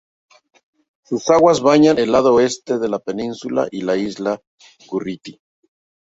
Sus aguas bañan el lado oeste de la península y la Isla Gorriti.